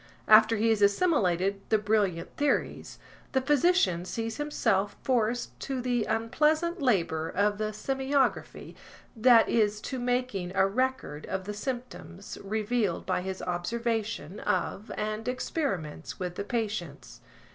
After he has assimilated the brilliant theories, the physician sees himself forced to the unpleas ant labor of the semiography, that is to making a record of the symptoms revealed by his observation of and experiments with the patients.